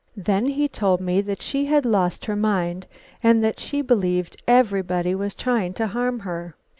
"Then he told me that she had lost her mind, and that she believed everybody was trying to harm her.